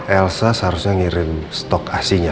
elsa seharusnya ngirim stok ac nya